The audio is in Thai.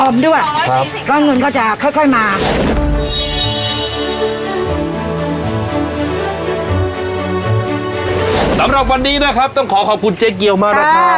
สำหรับวันนี้นะครับต้องขอขอบคุณเจ๊เกียวมากนะครับ